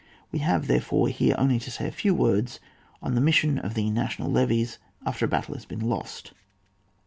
We have, therefore, here only to say a few words on the mission of the national levies after a battle has been lost.